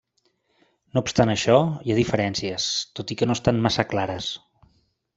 No obstant això, hi ha diferències, tot i que no estan massa clares.